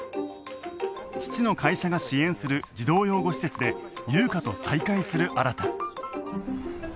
父の会社が支援する児童養護施設で優香と再会する新